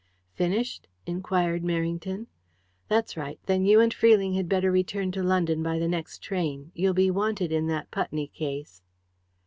"Finished?" inquired Merrington. "That's right. Then you and Freeling had better return to London by the next train you'll be wanted in that Putney case."